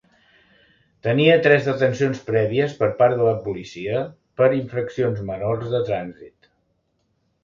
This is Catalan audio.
Tenia tres detencions prèvies per part de la policia per infraccions menors de trànsit.